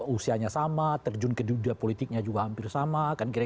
usianya sama terjun kedua dua politiknya juga hampir sama